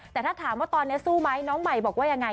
แต่ถ้าถามว่าตอนนี้สู้ไหมน้องใหม่บอกว่ายังไง